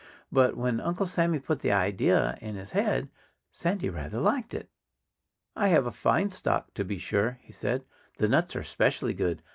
But when Uncle Sammy put the idea in his head Sandy rather liked it. "I have a fine stock, to be sure," he said. "The nuts are specially good.